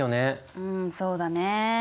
うんそうだね。